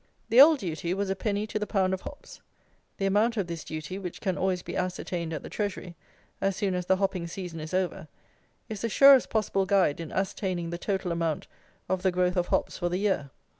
The old duty was a penny to the pound of hops. The amount of this duty, which can always be ascertained at the Treasury as soon as the hopping season is over, is the surest possible guide in ascertaining the total amount of the growth of hops for the year.